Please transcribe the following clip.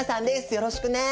よろしくね！